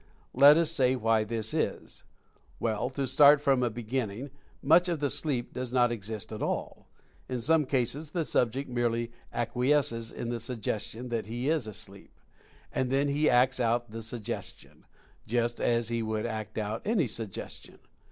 Let us see why this is. Well, to start from the begin ning, much of the "sleep" does not exist at all. In some cases the subject merely acquiesces in the sug gestion that he is asleep, and then he acts out the suggestion, just as he would act out any suggestion.